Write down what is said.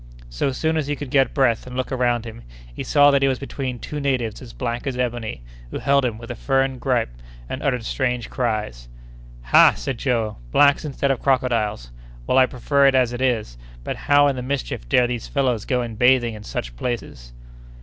So soon as he could get breath and look around him, he saw that he was between two natives as black as ebony, who held him, with a firm gripe, and uttered strange cries. "Ha!" said Joe, "blacks instead of crocodiles! Well, I prefer it as it is; but how in the mischief dare these fellows go in bathing in such places?"